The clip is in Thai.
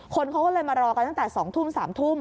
คนเขาก็เลยมารอกันตั้งแต่๒ทุ่ม๓ทุ่ม